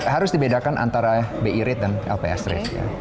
harus dibedakan antara bi rate dan lps rate